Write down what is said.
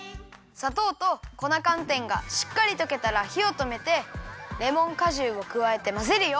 さとうと粉かんてんがしっかりとけたらひをとめてレモンかじゅうをくわえてまぜるよ。